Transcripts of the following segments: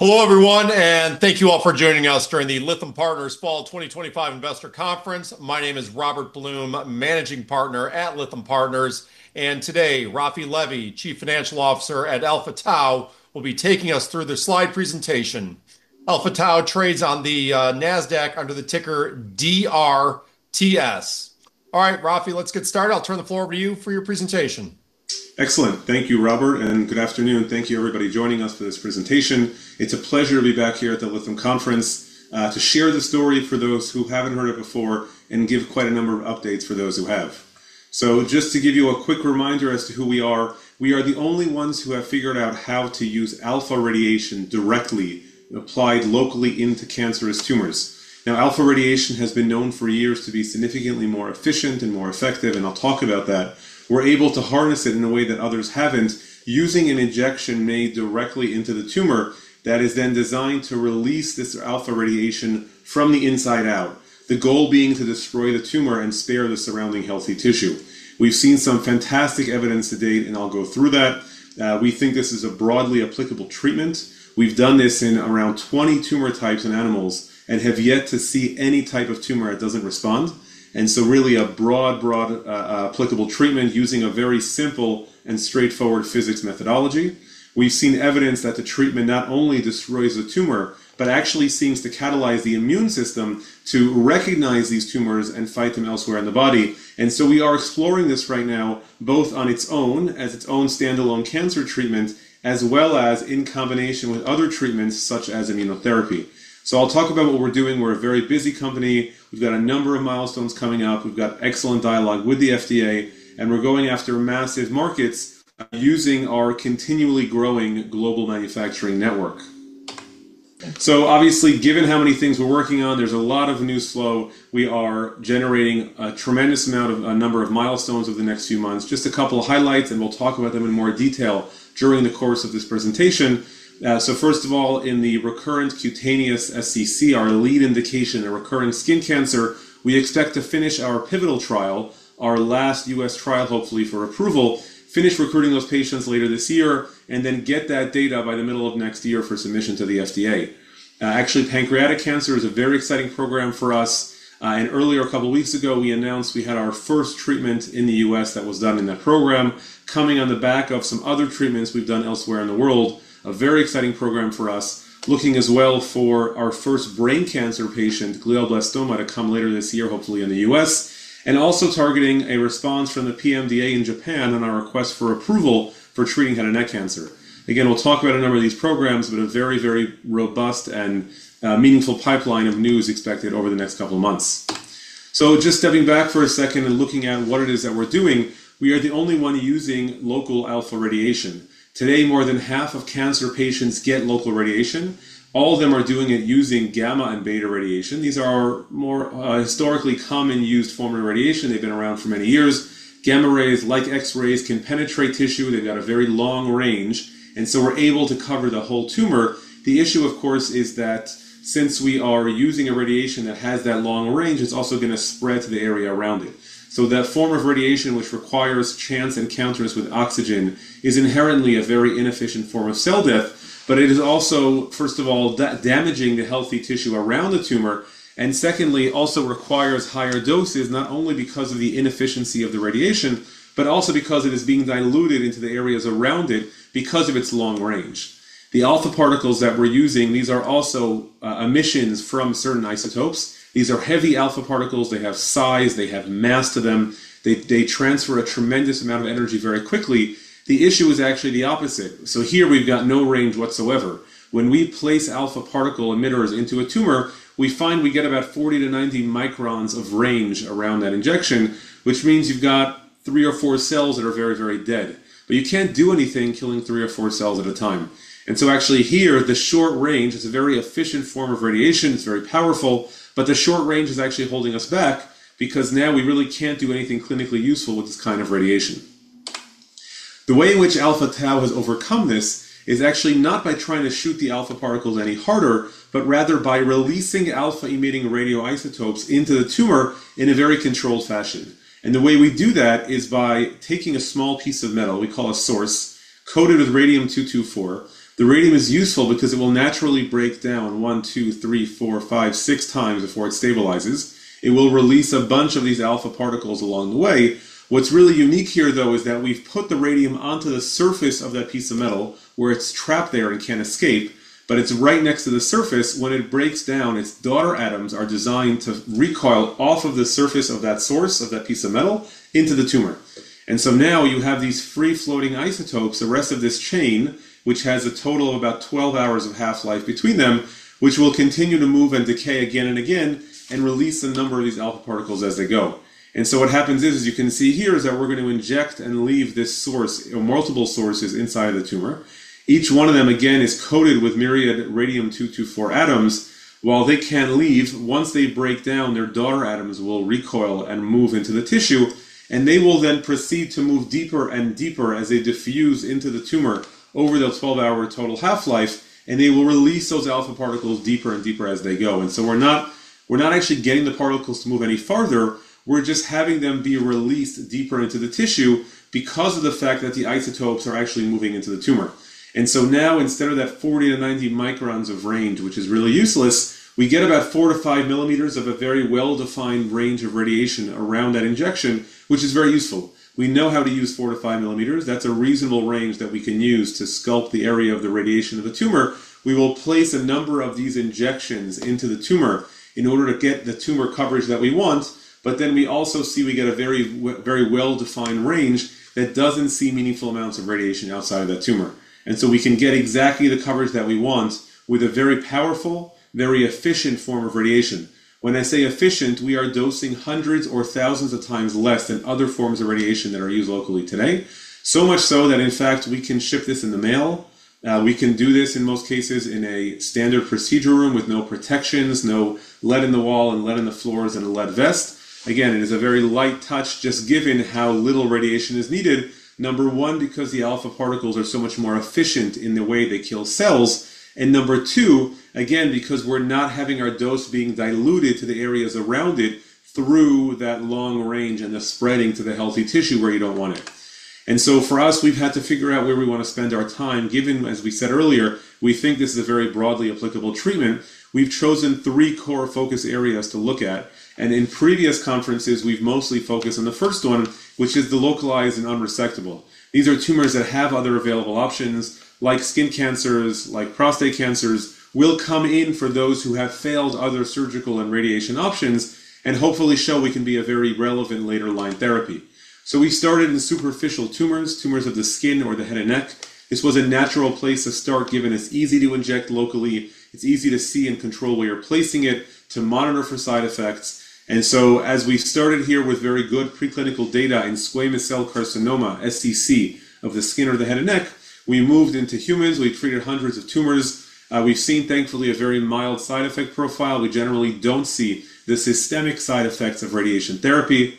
Hello everyone, and thank you all for joining us during the Lytham Partners Fall 2025 Investor Conference. My name is Robert Blum, Managing Partner at Lytham Partners, and today, Raphi Levy, Chief Financial Officer at Alpha Tau, will be taking us through the slide presentation. Alpha Tau trades on the NASDAQ under the ticker DRTS. All right, Raphi, let's get started. I'll turn the floor over to you for your presentation. Excellent. Thank you, Robert, and good afternoon. Thank you, everybody, for joining us for this presentation. It's a pleasure to be back here at the Lytham Conference to share the story for those who haven't heard it before and give quite a number of updates for those who have. Just to give you a quick reminder as to who we are, we are the only ones who have figured out how to use alpha radiation directly applied locally into cancerous tumors. Now, alpha radiation has been known for years to be significantly more efficient and more effective, and I'll talk about that. We're able to harness it in a way that others haven't, using an injection made directly into the tumor that is then designed to release this alpha radiation from the inside out, the goal being to destroy the tumor and spare the surrounding healthy tissue. We've seen some fantastic evidence to date, and I'll go through that. We think this is a broadly applicable treatment. We've done this in around 20 tumor types in animals and have yet to see any type of tumor that doesn't respond. It is really a broad, broadly applicable treatment using a very simple and straightforward physics methodology. We've seen evidence that the treatment not only destroys the tumor, but actually seems to catalyze the immune system to recognize these tumors and fight them elsewhere in the body. We are exploring this right now, both on its own, as its own standalone cancer treatment, as well as in combination with other treatments such as immunotherapy. I'll talk about what we're doing. We're a very busy company. We've got a number of milestones coming up. We've got excellent dialogue with the FDA, and we're going after massive markets using our continually growing global manufacturing network. Obviously, given how many things we're working on, there's a lot of news flow. We are generating a tremendous amount of a number of milestones over the next few months. Just a couple of highlights, and we'll talk about them in more detail during the course of this presentation. First of all, in the recurrent cutaneous SCC, our lead indication in recurrent skin cancer, we expect to finish our pivotal trial, our last U.S. trial, hopefully for approval, finish recruiting those patients later this year, and then get that data by the middle of next year for submission to the FDA. Actually, pancreatic cancer is a very exciting program for us. Earlier, a couple of weeks ago, we announced we had our first treatment in the U.S. that was done in that program, coming on the back of some other treatments we've done elsewhere in the world. A very exciting program for us, looking as well for our first brain cancer patient, glioblastoma, to come later this year, hopefully in the U.S., and also targeting a response from the PMDA in Japan on our request for approval for treating head and neck cancer. We will talk about a number of these programs, but a very, very robust and meaningful pipeline of news is expected over the next couple of months. Just stepping back for a second and looking at what it is that we're doing, we are the only one using local alpha radiation. Today, more than half of cancer patients get local radiation. All of them are doing it using gamma and beta radiation. These are more historically commonly used forms of radiation. They've been around for many years. Gamma rays, like X-rays, can penetrate tissue. They've got a very long range, and we're able to cover the whole tumor. The issue, of course, is that since we are using a radiation that has that long range, it's also going to spread to the area around it. That form of radiation, which requires chance encounters with oxygen, is inherently a very inefficient form of cell death, but it is also, first of all, damaging the healthy tissue around the tumor, and secondly, also requires higher doses, not only because of the inefficiency of the radiation, but also because it is being diluted into the areas around it because of its long range. The alpha particles that we're using, these are also emissions from certain isotopes. These are heavy alpha particles. They have size. They have mass to them. They transfer a tremendous amount of energy very quickly. The issue is actually the opposite. Here we've got no range whatsoever. When we place alpha particle emitters into a tumor, we find we get about 40 to 90 microns of range around that injection, which means you've got three or four cells that are very, very dead. You can't do anything killing three or four cells at a time. Actually, here, the short range, it's a very efficient form of radiation. It's very powerful, but the short range is actually holding us back because now we really can't do anything clinically useful with this kind of radiation. The way in which Alpha Tau has overcome this is actually not by trying to shoot the alpha particles any harder, but rather by releasing alpha-emitting radioisotopes into the tumor in a very controlled fashion. The way we do that is by taking a small piece of metal we call a source coated with radium-224. The radium is useful because it will naturally break down one, two, three, four, five, six times before it stabilizes. It will release a bunch of these alpha particles along the way. What's really unique here, though, is that we've put the radium onto the surface of that piece of metal where it's trapped there and can't escape. It's right next to the surface. When it breaks down, its daughter atoms are designed to recoil off of the surface of that source, of that piece of metal, into the tumor. Now you have these free-floating isotopes, the rest of this chain, which has a total of about 12 hours of half-life between them, which will continue to move and decay again and again and release a number of these alpha particles as they go. What happens is, as you can see here, we're going to inject and leave this source, multiple sources, inside of the tumor. Each one of them, again, is coated with myriad radium-224 atoms. While they can leave, once they break down, their daughter atoms will recoil and move into the tissue, and they will then proceed to move deeper and deeper as they diffuse into the tumor over the 12-hour total half-life. They will release those alpha particles deeper and deeper as they go. We're not actually getting the particles to move any farther. We're just having them be released deeper into the tissue because of the fact that the isotopes are actually moving into the tumor. Now, instead of that 40 to 90 microns of range, which is really useless, we get about four to five millimeters of a very well-defined range of radiation around that injection, which is very useful. We know how to use four to five millimeters. That's a reasonable range that we can use to sculpt the area of the radiation of the tumor. We will place a number of these injections into the tumor in order to get the tumor coverage that we want. We also see we get a very, very well-defined range that doesn't see meaningful amounts of radiation outside of that tumor. We can get exactly the coverage that we want with a very powerful, very efficient form of radiation. When I say efficient, we are dosing hundreds or thousands of times less than other forms of radiation that are used locally today, so much so that, in fact, we can ship this in the mail. We can do this in most cases in a standard procedure room with no protections, no lead in the wall, lead in the floors, and a lead vest. It is a very light touch, just given how little radiation is needed. Number one, because the alpha particles are so much more efficient in the way they kill cells. Number two, again, because we're not having our dose being diluted to the areas around it through that long range and the spreading to the healthy tissue where you don't want it. For us, we've had to figure out where we want to spend our time, given, as we said earlier, we think this is a very broadly applicable treatment. We've chosen three core focus areas to look at. In previous conferences, we've mostly focused on the first one, which is the localized and unresectable. These are tumors that have other available options, like skin cancers, like prostate cancers, will come in for those who have failed other surgical and radiation options, and hopefully show we can be a very relevant later line therapy. We started in superficial tumors, tumors of the skin or the head and neck. This was a natural place to start, given it's easy to inject locally. It's easy to see and control where you're placing it to monitor for side effects. As we started here with very good preclinical data in cutaneous squamous cell carcinoma, SCC, of the skin or the head and neck, we moved into humans. We treated hundreds of tumors. We've seen, thankfully, a very mild side effect profile. We generally don't see the systemic side effects of radiation therapy,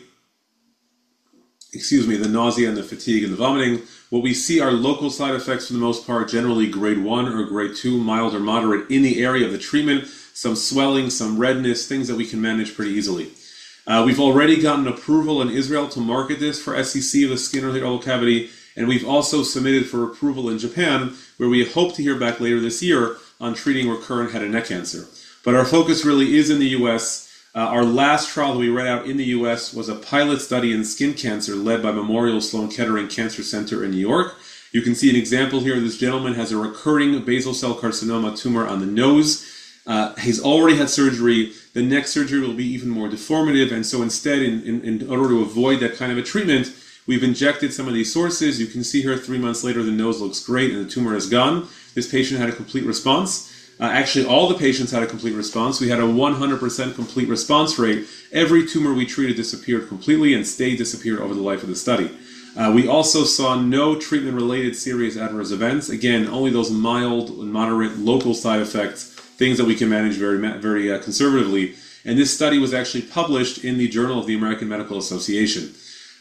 the nausea and the fatigue and the vomiting. What we see are local side effects for the most part, generally grade 1 or grade 2, mild or moderate, in the area of the treatment, some swelling, some redness, things that we can manage pretty easily. We've already gotten approval in Israel to market this for SCC of the skin or the oral cavity. We've also submitted for approval in Japan, where we hope to hear back later this year on treating recurrent head and neck cancer. Our focus really is in the U.S. Our last trial that we ran out in the U.S. was a pilot study in skin cancer led by Memorial Sloan Kettering Cancer Center in New York. You can see an example here. This gentleman has a recurring basal cell carcinoma tumor on the nose. He's already had surgery. The next surgery will be even more deformative. Instead, in order to avoid that kind of a treatment, we've injected some of these sources. You can see here three months later, the nose looks great and the tumor is gone. This patient had a complete response. Actually, all the patients had a complete response. We had a 100% complete response rate. Every tumor we treated disappeared completely and stayed disappeared over the life of the study. We also saw no treatment-related serious adverse events, only those mild and moderate local side effects, things that we can manage very, very conservatively. This study was actually published in the Journal of the American Medical Association.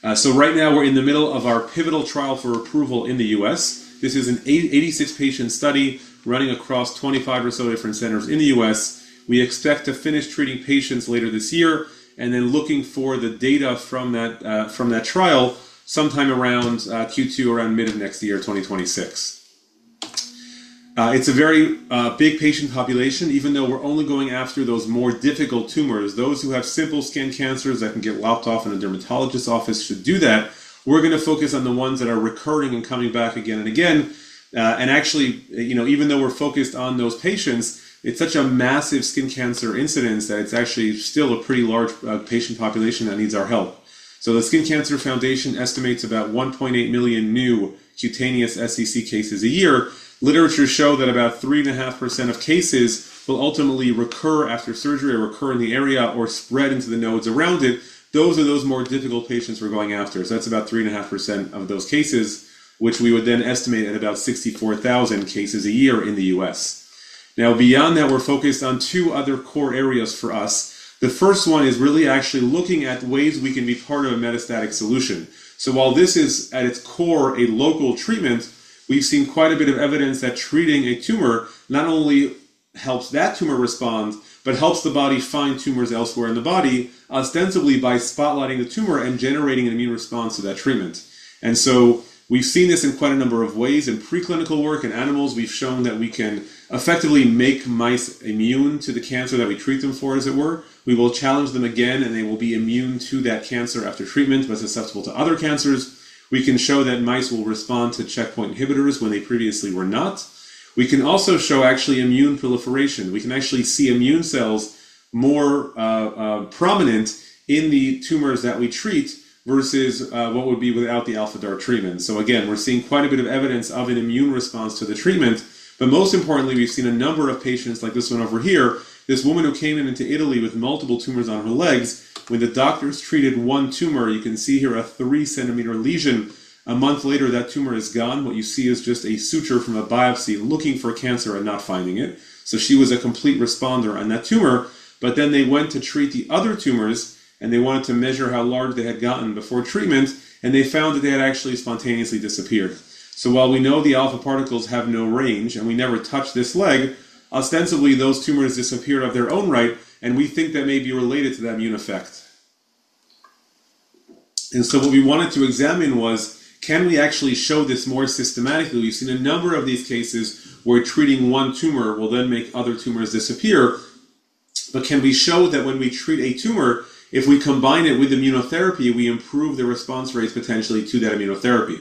Right now, we're in the middle of our pivotal trial for approval in the U.S. This is an 86-patient study running across 25 or so different centers in the U.S. We expect to finish treating patients later this year and then looking for the data from that trial sometime around Q2 or around mid of next year, 2026. It's a very big patient population, even though we're only going after those more difficult tumors. Those who have simple skin cancers that can get lopped off in a dermatologist's office should do that. We're going to focus on the ones that are recurring and coming back again and again. Actually, even though we're focused on those patients, it's such a massive skin cancer incidence that it's actually still a pretty large patient population that needs our help. The Skin Cancer Foundation estimates about 1.8 million new cutaneous SCC cases a year. Literature shows that about 3.5% of cases will ultimately recur after surgery or recur in the area or spread into the nodes around it. Those are those more difficult patients we're going after. That's about 3.5% of those cases, which we would then estimate at about 64,000 cases a year in the U.S. Beyond that, we're focused on two other core areas for us. The first one is really actually looking at ways we can be part of a metastatic solution. While this is at its core a local treatment, we've seen quite a bit of evidence that treating a tumor not only helps that tumor respond but helps the body find tumors elsewhere in the body, ostensibly by spotlighting the tumor and generating an immune response to that treatment. We have seen this in quite a number of ways in preclinical work in animals. We have shown that we can effectively make mice immune to the cancer that we treat them for, as it were. We will challenge them again, and they will be immune to that cancer after treatment, but susceptible to other cancers. We can show that mice will respond to checkpoint inhibitors when they previously were not. We can also show actual immune proliferation. We can actually see immune cells more prominent in the tumors that we treat versus what would be without the Alpha DaRT treatment. We are seeing quite a bit of evidence of an immune response to the treatment. Most importantly, we have seen a number of patients like this one over here. This woman who came into Italy with multiple tumors on her legs. When the doctors treated one tumor, you can see here a 3 cm lesion. A month later, that tumor is gone. What you see is just a suture from a biopsy looking for cancer and not finding it. She was a complete responder on that tumor. They went to treat the other tumors, and they wanted to measure how large they had gotten before treatment. They found that they had actually spontaneously disappeared. While we know the alpha particles have no range and we never touched this leg, ostensibly, those tumors disappeared of their own right. We think that may be related to that immune effect. What we wanted to examine was, can we actually show this more systematically? We have seen a number of these cases where treating one tumor will then make other tumors disappear. Can we show that when we treat a tumor, if we combine it with immunotherapy, we improve the response rates potentially to that immunotherapy?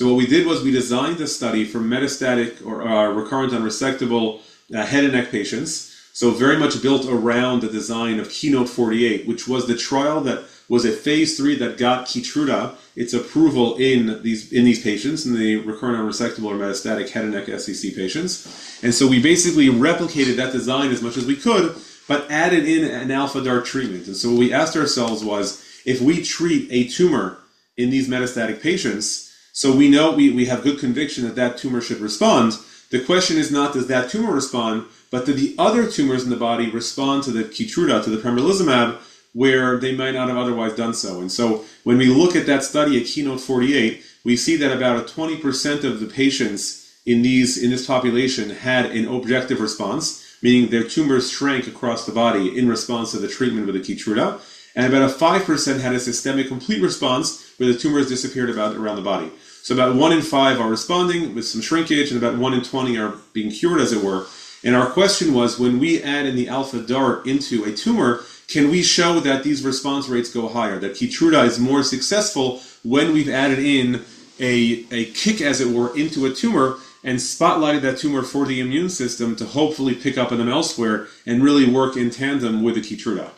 What we did was we designed a study for metastatic or recurrent unresectable head and neck patients. Very much built around the design of KEYNOTE-048, which was the trial that was a phase three that got Keytruda its approval in these patients, in the recurrent unresectable or metastatic head and neck SCC patients. We basically replicated that design as much as we could, but added in an Alpha DaRT treatment. What we asked ourselves was, if we treat a tumor in these metastatic patients, we know we have good conviction that that tumor should respond. The question is not, does that tumor respond, but do the other tumors in the body respond to the Keytruda, to the pembrolizumab, where they might not have otherwise done so? When we look at that study at KEYNOTE-048, we see that about 20% of the patients in this population had an objective response, meaning their tumors shrank across the body in response to the treatment with the Keytruda. About 5% had a systemic complete response where the tumors disappeared around the body. About 1 in 5 are responding with some shrinkage, and about 1 in 20 are being cured, as it were. Our question was, when we add in the Alpha DaRT into a tumor, can we show that these response rates go higher, that Keytruda is more successful when we've added in a kick, as it were, into a tumor and spotlighted that tumor for the immune system to hopefully pick up on them elsewhere and really work in tandem with the Keytruda?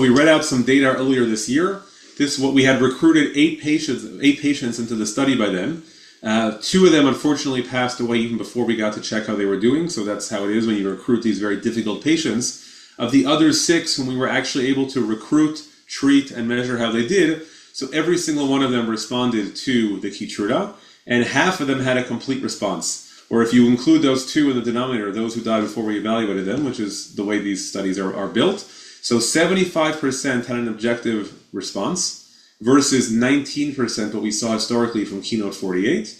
We read out some data earlier this year. This is what we had recruited eight patients into the study by then. Two of them, unfortunately, passed away even before we got to check how they were doing. That's how it is when you recruit these very difficult patients. Of the other six, when we were actually able to recruit, treat, and measure how they did, every single one of them responded to the Keytruda, and half of them had a complete response. If you include those two of the denominator, those who died before we evaluated them, which is the way these studies are built, 75% had an objective response versus 19% of what we saw historically from KEYNOTE-048.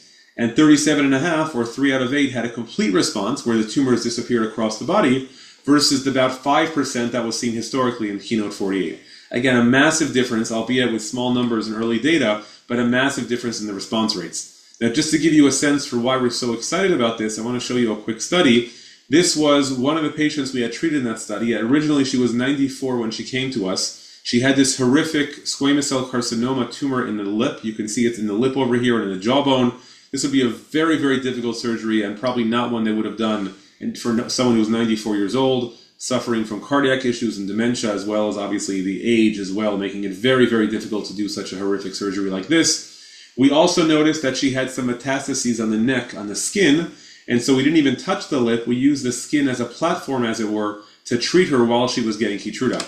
Thirty-seven and a half percent, or three out of eight, had a complete response where the tumors disappeared across the body versus the about 5% that was seen historically in KEYNOTE-048. Again, a massive difference, albeit with small numbers and early data, but a massive difference in the response rates. Now, just to give you a sense for why we're so excited about this, I want to show you a quick study. This was one of the patients we had treated in that study. Originally, she was 94 when she came to us. She had this horrific squamous cell carcinoma tumor in the lip. You can see it's in the lip over here and in the jawbone. This would be a very, very difficult surgery and probably not one they would have done for someone who's 94 years old, suffering from cardiac issues and dementia, as well as obviously the age as well, making it very, very difficult to do such a horrific surgery like this. We also noticed that she had some metastases on the neck, on the skin. We didn't even touch the lip. We used the skin as a platform, as it were, to treat her while she was getting Keytruda.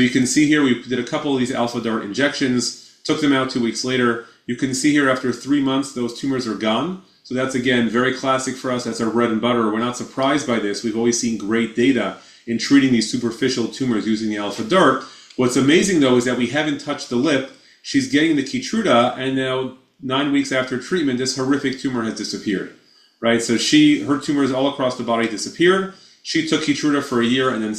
You can see here we did a couple of these Alpha DaRT injections, took them out two weeks later. You can see here after three months, those tumors are gone. That's, again, very classic for us. That's our bread and butter. We're not surprised by this. We've always seen great data in treating these superficial tumors using the Alpha DaRT. What's amazing, though, is that we haven't touched the lip. She's getting the Keytruda, and now, nine weeks after treatment, this horrific tumor has disappeared. Her tumors all across the body disappeared. She took Keytruda for a year and then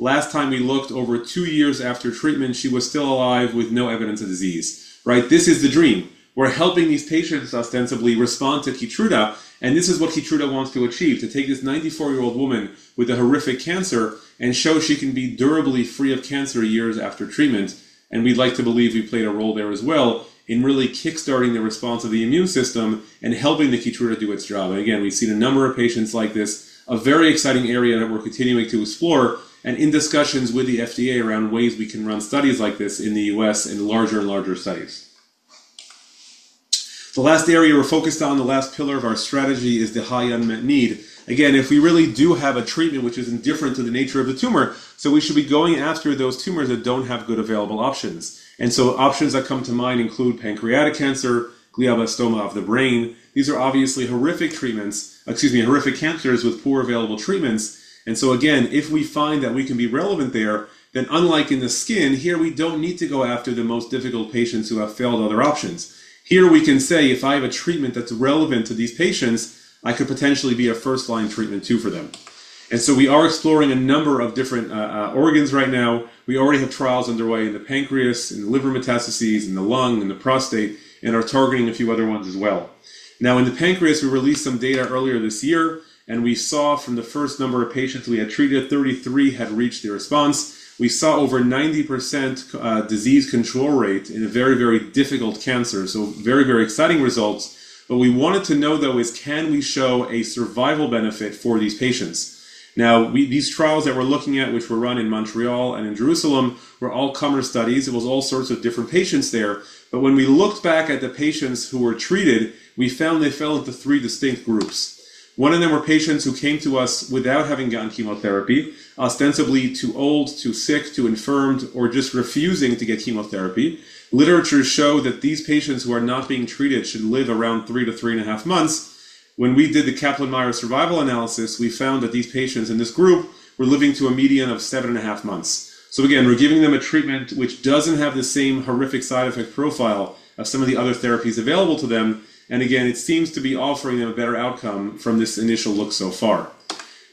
stopped. Last time we looked, over two years after treatment, she was still alive with no evidence of disease. This is the dream. We're helping these patients ostensibly respond to Keytruda. This is what Keytruda wants to achieve, to take this 94-year-old woman with a horrific cancer and show she can be durably free of cancer years after treatment. We'd like to believe we played a role there as well in really kickstarting the response of the immune system and helping the Keytruda do its job. We've seen a number of patients like this, a very exciting area that we're continuing to explore and in discussions with the FDA around ways we can run studies like this in the U.S. in larger and larger sites. The last area we're focused on, the last pillar of our strategy, is the high unmet need. If we really do have a treatment which is indifferent to the nature of the tumor, we should be going after those tumors that don't have good available options. Options that come to mind include pancreatic cancer. We have a stoma of the brain. These are obviously horrific cancers with poor available treatments. If we find that we can be relevant there, then unlike in the skin, here we don't need to go after the most difficult patients who have failed other options. Here we can say, if I have a treatment that's relevant to these patients, I could potentially be a first-line treatment too for them. We are exploring a number of different organs right now. We already have trials underway in the pancreas and liver metastases and the lung and the prostate and are targeting a few other ones as well. Now, in the pancreas, we released some data earlier this year, and we saw from the first number of patients we had treated, 33 had reached the response. We saw over 90% disease control rate in a very, very difficult cancer. Very, very exciting results. What we wanted to know, though, is can we show a survival benefit for these patients? These trials that we're looking at, which were run in Montreal and in Jerusalem, were all comer studies. It was all sorts of different patients there. When we looked back at the patients who were treated, we found they fell into three distinct groups. One of them were patients who came to us without having gotten chemotherapy, ostensibly too old, too sick, too infirm, or just refusing to get chemotherapy. Literature showed that these patients who are not being treated should live around three to three and a half months. When we did the Kaplan-Meier survival analysis, we found that these patients in this group were living to a median of seven and a half months. We are giving them a treatment which doesn't have the same horrific side effect profile as some of the other therapies available to them. It seems to be offering them a better outcome from this initial look so far.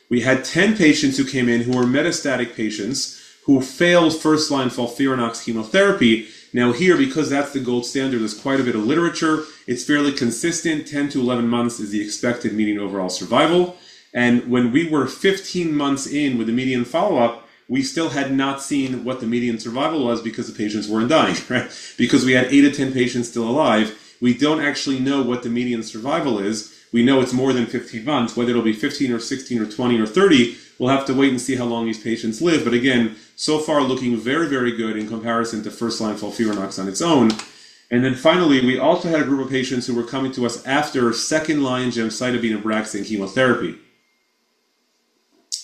We had 10 patients who came in who were metastatic patients who failed first-line FOLFIRINOX chemotherapy. Here, because that's the gold standard, there's quite a bit of literature. It's fairly consistent. Ten to 11 months is the expected median overall survival. When we were 15 months in with the median follow-up, we still had not seen what the median survival was because the patients weren't dying. We had 8-10 patients still alive, we don't actually know what the median survival is. We know it's more than 15 months. Whether it'll be 15 or 16 or 20 or 30, we'll have to wait and see how long these patients live. So far, looking very, very good in comparison to first-line FOLFIRINOX on its own. Finally, we also had a group of patients who were coming to us after second-line gemcitabine Abraxane chemotherapy.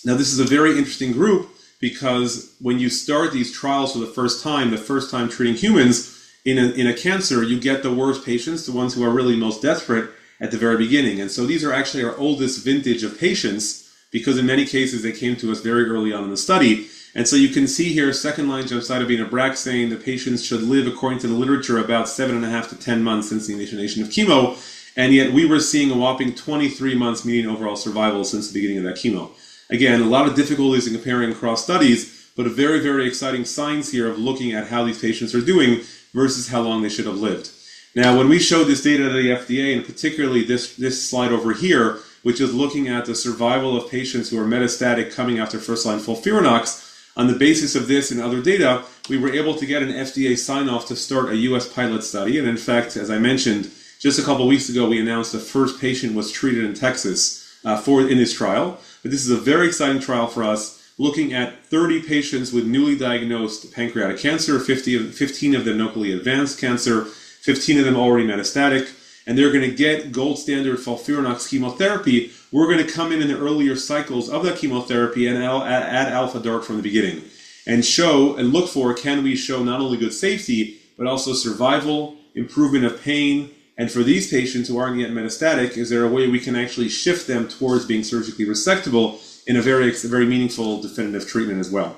This is a very interesting group because when you start these trials for the first time, the first time treating humans in a cancer, you get the worst patients, the ones who are really most desperate at the very beginning. These are actually our oldest vintage of patients because in many cases, they came to us very early on in the study. You can see here, second-line gemcitabine Abraxane, the patients should live, according to the literature, about 7.5 to 10 months since the initiation of chemo. Yet we were seeing a whopping 23 months median overall survival since the beginning of that chemo. There are a lot of difficulties in comparing cross-studies, but very, very exciting signs here of looking at how these patients are doing versus how long they should have lived. When we showed this data to the FDA, and particularly this slide over here, which is looking at the survival of patients who are metastatic coming after first-line FOLFIRINOX, on the basis of this and other data, we were able to get an FDA sign-off to start a U.S. pilot study. In fact, as I mentioned, just a couple of weeks ago, we announced the first patient was treated in Texas in this trial. This is a very exciting trial for us, looking at 30 patients with newly diagnosed pancreatic cancer, 15 of them locally advanced cancer, 15 of them already metastatic. They're going to get gold standard FOLFIRINOX chemotherapy. We're going to come in in the earlier cycles of that chemotherapy and add Alpha DaRT from the beginning and show and look for, can we show not only good safety, but also survival, improvement of pain? For these patients who aren't yet metastatic, is there a way we can actually shift them towards being surgically resectable in a very, very meaningful definitive treatment as well?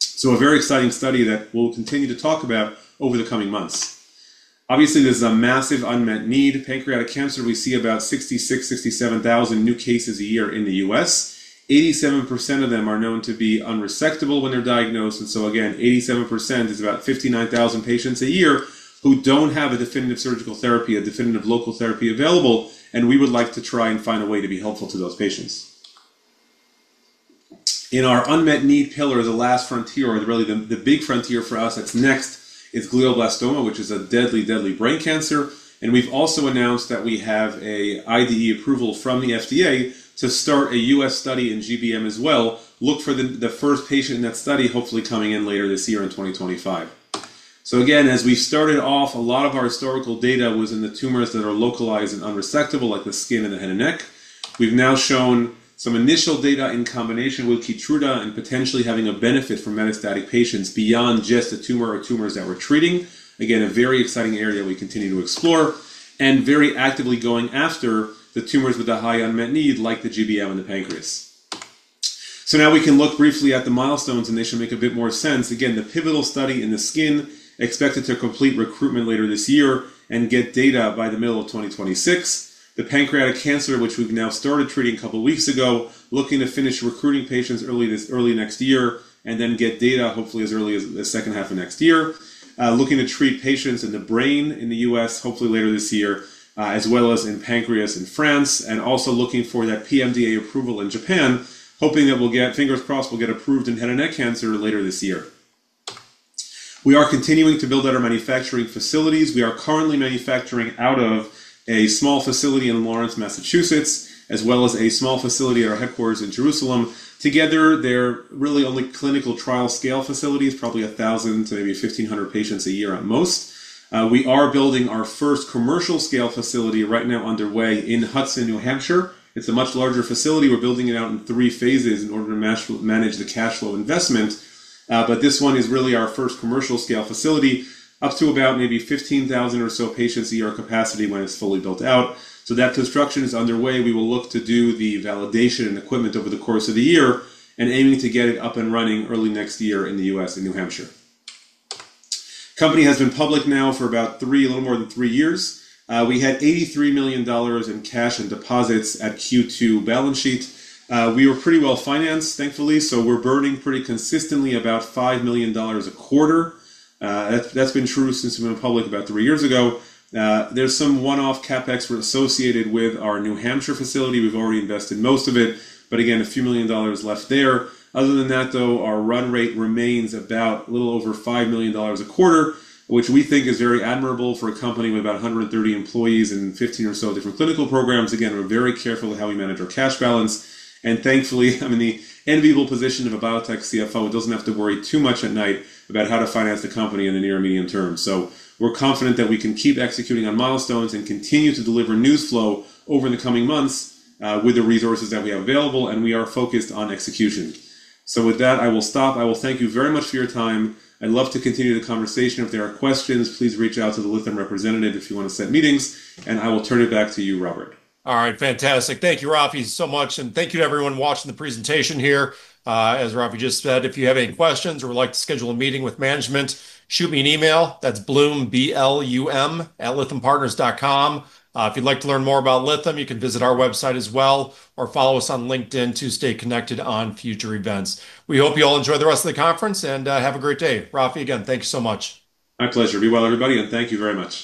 This is a very exciting study that we'll continue to talk about over the coming months. Obviously, there's a massive unmet need. Pancreatic cancer, we see about 66,000-67,000 new cases a year in the U.S. 87% of them are known to be unresectable when they're diagnosed. 87% is about 59,000 patients a year who don't have a definitive surgical therapy, a definitive local therapy available. We would like to try and find a way to be helpful to those patients. In our unmet need pillar, the last frontier, or really the big frontier for us that's next is glioblastoma, which is a deadly, deadly brain cancer. We've also announced that we have an IDE approval from the FDA to start a U.S. study in GBM as well, look for the first patient in that study, hopefully coming in later this year in 2025. As we started off, a lot of our historical data was in the tumors that are localized and unresectable, like the skin and the head and neck. We've now shown some initial data in combination with Keytruda and potentially having a benefit for metastatic patients beyond just the tumor or tumors that we're treating. Again, a very exciting area we continue to explore and very actively going after the tumors with the high unmet need, like the GBM and the pancreas. Now we can look briefly at the milestones, and they should make a bit more sense. Again, the pivotal study in the skin is expected to complete recruitment later this year and get data by the middle of 2026. The pancreatic cancer, which we've now started treating a couple of weeks ago, is looking to finish recruiting patients early next year and then get data hopefully as early as the second half of next year. Looking to treat patients in the brain in the U.S., hopefully later this year, as well as in pancreas in France, and also looking for that PMDA approval in Japan, hoping that we'll get, fingers crossed, we'll get approved in head and neck cancer later this year. We are continuing to build out our manufacturing facilities. We are currently manufacturing out of a small facility in Lawrence, Massachusetts, as well as a small facility at our headquarters in Jerusalem. Together, they're really only clinical trial scale facilities, probably 1,000 to maybe 1,500 patients a year at most. We are building our first commercial scale facility right now underway in Hudson, New Hampshire. It's a much larger facility. We're building it out in three phases in order to manage the cash flow investment. This one is really our first commercial scale facility, up to about maybe 15,000 or so patients a year capacity when it's fully built out. That construction is underway. We will look to do the validation and equipment over the course of the year and aiming to get it up and running early next year in the U.S. and New Hampshire. The company has been public now for about three, a little more than three years. We had $83 million in cash and deposits at Q2 balance sheet. We were pretty well financed, thankfully. We're burning pretty consistently about $5 million a quarter. That's been true since we went public about three years ago. There's some one-off CapEx associated with our New Hampshire facility. We've already invested most of it, but again, a few million dollars left there. Other than that, though, our run rate remains about a little over $5 million a quarter, which we think is very admirable for a company with about 130 employees and 15 or so different clinical programs. We're very careful with how we manage our cash balance. Thankfully, I'm in the enviable position of a biotech CFO who doesn't have to worry too much at night about how to finance the company in the near immediate term. We're confident that we can keep executing on milestones and continue to deliver news flow over the coming months with the resources that we have available. We are focused on execution. With that, I will stop. I will thank you very much for your time. I'd love to continue the conversation. If there are questions, please reach out to the Lytham representative if you want to set meetings. I will turn it back to you, Robert. All right. Fantastic. Thank you, Raphi, so much. Thank you, everyone, watching the presentation here. As Raphi just said, if you have any questions or would like to schedule a meeting with management, shoot me an email. That's blum@lythampartners.com. If you'd like to learn more about Lytham Partners, you can visit our website as well or follow us on LinkedIn to stay connected on future events. We hope you all enjoy the rest of the conference and have a great day. Raphi, again, thank you so much. My pleasure. Be well, everybody, and thank you very much.